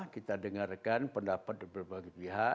kita dengarkan pendapat dari berbagai pihak